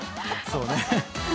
そうね。